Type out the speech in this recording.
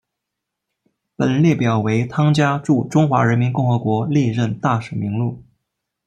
本列表为汤加驻中华人民共和国历任大使名录。